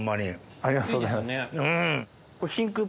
ありがとうございます。